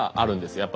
やっぱ。